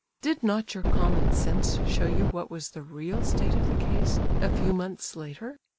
Did not your common sense show you what was the real state of the case, a few months later?